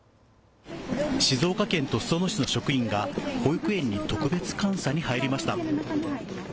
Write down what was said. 静岡県と裾野市の職員が保育園に特別監査に入りました。